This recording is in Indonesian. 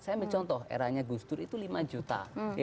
saya ambil contoh eranya gus dur itu lima juta